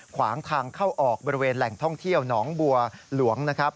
ขวางทางเข้าออกบริเวณแหล่งท่องเที่ยวหนองบัวหลวงนะครับ